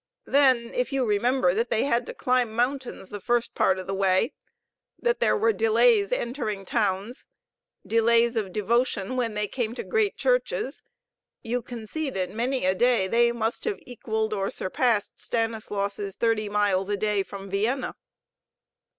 Then, if you remember that they had to climb mountains the first part of the way, that there were delays entering towns, delays of devotion when they came to great churches, you can see that many a day they must have equaled or surpassed Stanislaus' thirty miles a day from Vienna.